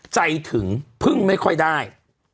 ใจถึงพึ่งไม่ค่อยได้